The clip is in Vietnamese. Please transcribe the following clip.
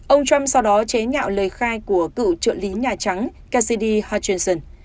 ông trump sau đó chế nhạo lời khai của cựu trợ lý nhà trắng cassidy hutchinson